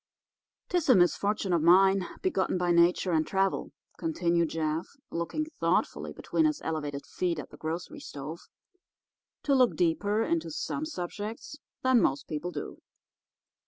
"'Tis a misfortune of mine, begotten by nature and travel," continued Jeff, looking thoughtfully between his elevated feet at the grocery stove, "to look deeper into some subjects than most people do.